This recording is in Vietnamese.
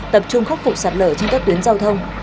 tập trung khắc phục sạt lở trên các tuyến giao thông